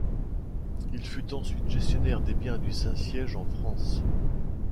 Il fut ensuite gestionnaire des biens du Saint-Siège en France.